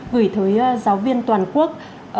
gửi tới giáo viên toàn quốc